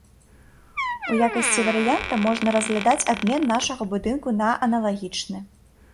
У якасці варыянта можна разглядаць абмен нашага будынку на аналагічны.